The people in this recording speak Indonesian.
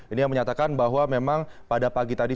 ini yang menyatakan bahwa memang pada pagi tadi